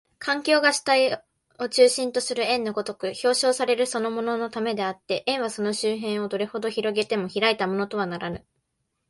環境が主体を中心とする円の如く表象されるのもそのためであって、円はその周辺をどれほど拡げても開いたものとはならぬ。